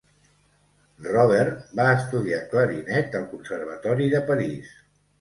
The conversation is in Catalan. Robert va estudiar clarinet al conservatori de Paris.